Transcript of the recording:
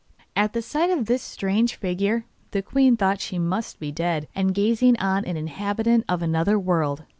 At the sight of this strange figure the queen thought she must be dead, and gazing on an inhabitant of another world.